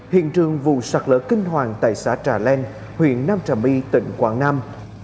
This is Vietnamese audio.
hiện trường vụ sạt lỡ kinh hoàng tại xã trà len huyện nam trà my tỉnh quảng nam